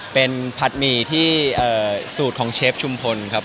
เป็นผัดหมี่ที่สูตรของเชฟชุมพลครับ